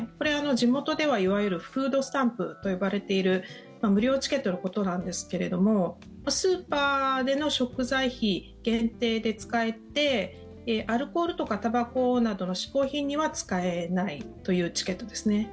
地元ではいわゆるフードスタンプと呼ばれている無料チケットのことなんですけれどもスーパーでの食材費限定で使えてアルコールとか、たばこなどの嗜好品には使えないというチケットですね。